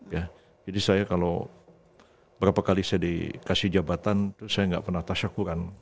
jadi saya kalau berapa kali saya dikasih jabatan saya tidak pernah tasyakuran